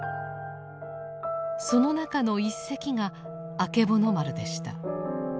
その中の１隻があけぼの丸でした。